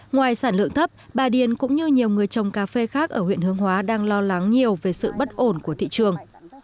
ngoài sản lượng thấp bà điền cũng như nhiều người trồng cà phê khác ở huyện hương hóa đang lo lắng nhiều về sự bất ổn của thị trường